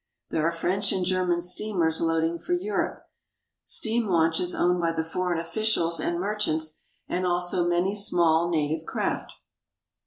There are French and German steamers loading for Europe, steam launches owned by the foreign officials and merchants, and also many small native craft.